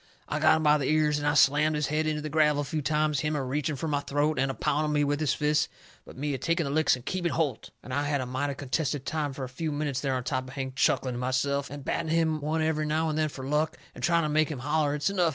I got him by the ears and I slammed his head into the gravel a few times, him a reaching fur my throat, and a pounding me with his fists, but me a taking the licks and keeping holt. And I had a mighty contented time fur a few minutes there on top of Hank, chuckling to myself, and batting him one every now and then fur luck, and trying to make him holler it's enough.